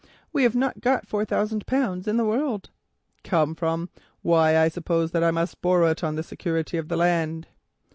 We have not got four thousand pounds in the world." "Come from? Why I suppose that I must borrow it on the security of the land."